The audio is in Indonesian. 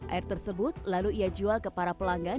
air tersebut lalu ia jual ke para pelanggan